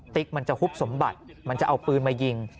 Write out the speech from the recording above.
ติ๊กมันจะหุบสมบัติมันจะเอาปืนมายิง